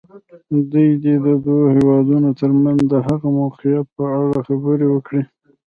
دوی دې د دوو هېوادونو تر منځ د هغه موقعیت په اړه خبرې وکړي.